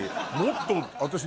もっと私。